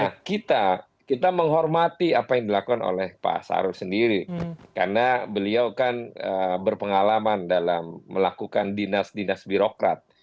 nah kita kita menghormati apa yang dilakukan oleh pak sarul sendiri karena beliau kan berpengalaman dalam melakukan dinas dinas birokrat